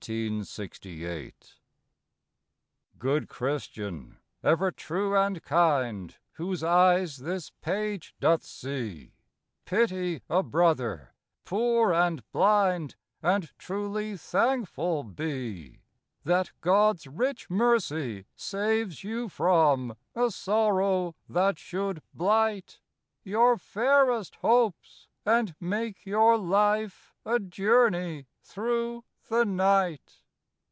••• Good Christian, ever true and kind, AVhoso eyes this page doth see, Pity a brother, poor and blind, And truly thankful be— That God's rieh mercy saves you from A sorrow that should blight Your fairest hopes and make your life A journey through the night.